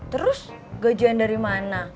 terus gajian dari mana